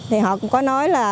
thì họ cũng có nói là